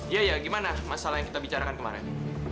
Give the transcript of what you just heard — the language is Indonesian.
iya ya gimana masalah yang kita bicarakan kemarin